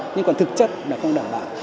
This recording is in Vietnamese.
nhưng còn thực chất là không đảm bảo